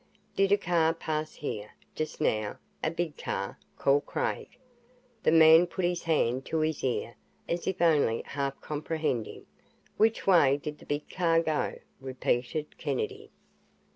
"Did a car pass here, just now a big car?" called Craig. The man put his hand to his ear, as if only half comprehending. "Which way did the big car go?" repeated Kennedy.